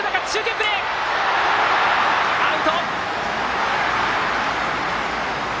アウト！